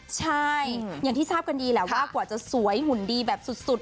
ใช่อย่างที่ทราบกันดีแหละว่ากว่าจะสวยหุ่นดีแบบสุด